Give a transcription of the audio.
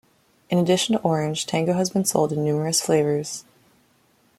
In addition to orange, Tango has been sold in numerous flavours.